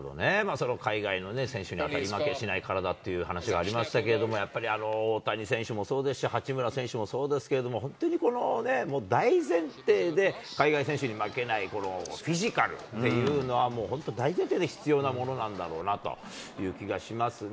その海外の選手に当たり負けしない体っていう話がありましたけれども、やっぱりあの、大谷選手もそうですし、八村選手もそうですけれども、本当に大前提で、海外選手に負けないフィジカルっていう、もう本当、大前提で必要なものなんだろうなという気がしますね。